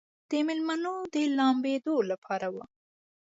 د مېلمنو د لامبېدلو لپاره و.